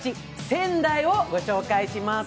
仙台を御紹介します。